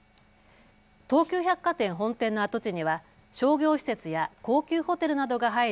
東急百貨店本店の跡地には商業施設や高級ホテルなどが入る